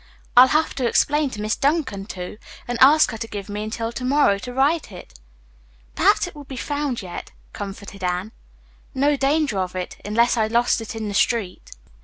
I'll have to explain to Miss Duncan, too, and ask her to give me until to morrow to write it." "Perhaps it will be found yet," comforted Anne. "No danger of it, unless I lost it in the street.